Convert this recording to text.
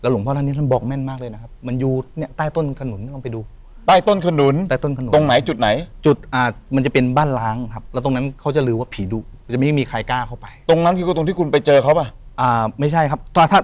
หลวงพ่อท่านนี้ท่านบอกแม่นมากเลยนะครับ